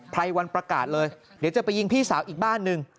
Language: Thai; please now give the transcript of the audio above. ไรวันประกาศเลยเดี๋ยวจะไปยิงพี่สาวอีกบ้านหนึ่ง